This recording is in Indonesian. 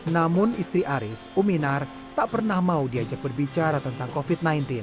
namun istri aris uminar tak pernah mau diajak berbicara tentang covid sembilan belas